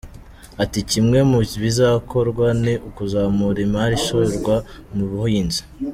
Ati “Kimwe mu bizakorwa ni ukuzamura imari ishorwa mu buhinzi.